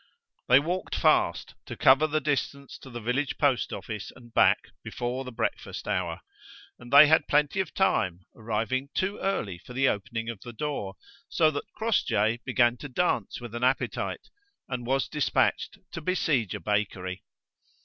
They walked fast to cover the distance to the village post office, and back before the breakfast hour: and they had plenty of time, arriving too early for the opening of the door, so that Crossjay began to dance with an appetite, and was despatched to besiege a bakery.